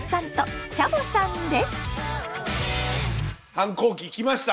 反抗期来ました？